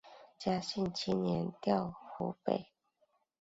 嘉庆七年调湖北。